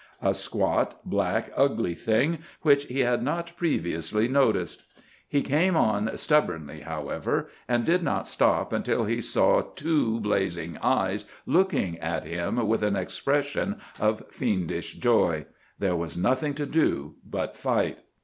A squat, black, ugly thing, which he had not previously noticed. He came on stubbornly, however, and did not stop until he saw two blazing eyes looking at him with an expression of fiendish joy. There was nothing to do but fight.